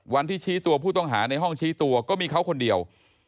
วันที่ชี้ตัวผู้ต้องหาในห้องชี้ตัวก็มีเขาคนเดียว